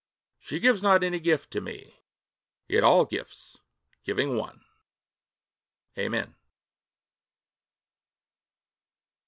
She gives not any gift to me Yet all gifts, giving one.... Amen.